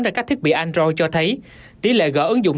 ra các thiết bị android cho thấy tỷ lệ gỡ ứng dụng